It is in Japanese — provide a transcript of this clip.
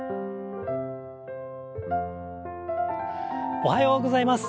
おはようございます。